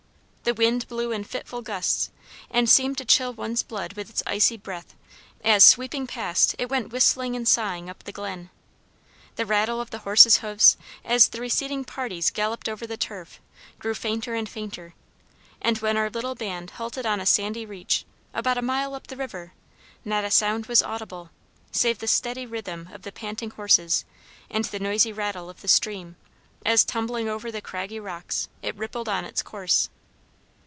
The wind blew in fitful gusts, and seemed to chill one's blood with its icy breath, as, sweeping past, it went whistling and sighing up the glen. The rattle of the horses' hoofs, as the receding parties galloped over the turf, grew fainter and fainter, and when our little band halted on a sandy reach, about a mile up the river, not a sound was audible, save the steady rhythm of the panting horses and the noisy rattle of the stream, as, tumbling over the craggy rocks, it rippled on its course.